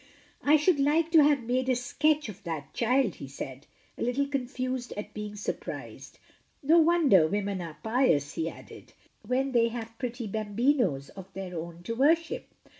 "I should like to have made a sketch of that child," he said, a little confused at being surprised. "No wonder women are pious," he added, "when ST. CLOUD BEFORE THE STORM. 93 they have pretty hamhtnos of their own to worship.